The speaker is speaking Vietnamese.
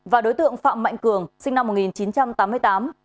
và đối tượng phạm mạnh cường sinh năm một nghìn chín trăm tám mươi tám